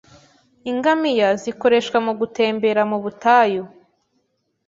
Ingamiya zikoreshwa mugutembera mubutayu.